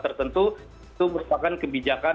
tertentu itu merupakan kebijakan